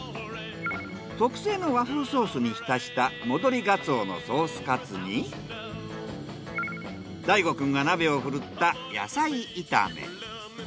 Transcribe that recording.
特製の和風ソースに浸した戻りガツオのソースカツに大琥くんが鍋を振るった野菜炒め。